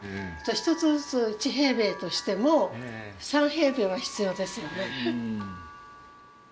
一つずつ１平米としても３平米は必要ですよね。